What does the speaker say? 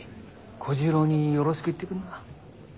小十郎によろしく言ってくんな。